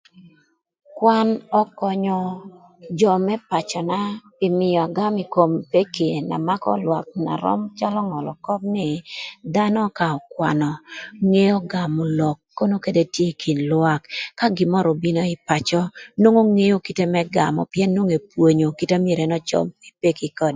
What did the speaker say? Kwan ökönyö jö më pacöna pï mïö agam ï kom peki na makö lwak na röm calö ngölö köp nï, dhanö ka ökwanö ngeo gamö lok kono kede tye ï kin lwak. Ka gïn mörö obino ï pacö nwongo ngeo kite më gamö pïën nwongo epwonyo kita myero ën ocob kï peki ködë.